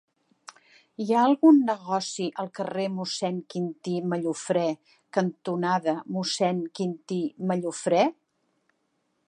Hi ha algun negoci al carrer Mossèn Quintí Mallofrè cantonada Mossèn Quintí Mallofrè?